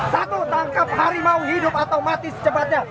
satu tangkap harimau hidup atau mati secepatnya